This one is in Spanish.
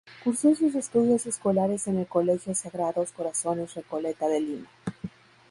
Cursó sus estudios escolares en el Colegio Sagrados Corazones Recoleta de Lima.